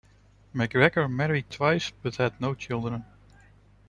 McGregor married twice but had no children.